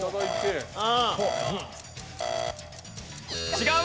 違う！